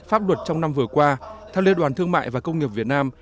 pháp luật trong năm vừa qua theo liên đoàn thương mại và công nghiệp việt nam